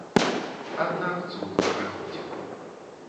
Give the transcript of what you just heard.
Аднак цуд не прыходзіў.